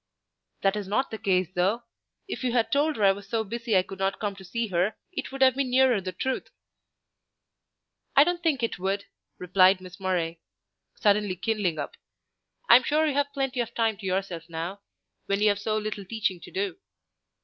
"That is not the case though; if you had told her I was so busy I could not come to see her, it would have been nearer the truth." "I don't think it would," replied Miss Murray, suddenly kindling up; "I'm sure you have plenty of time to yourself now, when you have so little teaching to do."